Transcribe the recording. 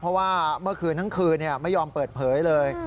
เพราะว่าเมื่อคืนทั้งคืนไม่ยอมเปิดเผยเลย